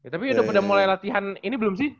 tapi udah pada mulai latihan ini belum sih